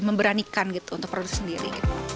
memberanikan untuk produksi sendiri